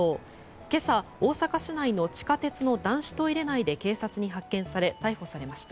今朝、大阪市内の地下鉄の男子トイレ内で警察に発見され逮捕されました。